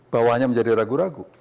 bawahannya menjadi ragu ragu